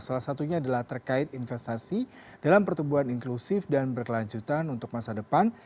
salah satunya adalah terkait investasi dalam pertumbuhan inklusif dan berkelanjutan untuk masa depan